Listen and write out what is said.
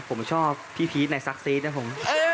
ผมชอบพี่พีชในซักซีดนะผม